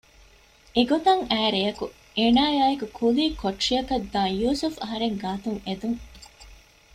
އެގޮތަށް އައި ރެޔަކު އޭނާއާއިއެކު ކުލީ ކޮޓަރިއަކަށް ދާން ޔޫސުފް އަހަރެން ގާތުން އެދުން